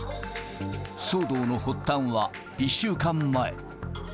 騒動の発端は、１週間前。